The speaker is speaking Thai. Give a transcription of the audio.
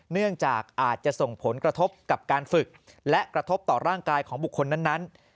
เนื่องจากอาจจะส่งผลกระทบกับการฝึกและกระทบต่อร่างกายของบุคคลนั้น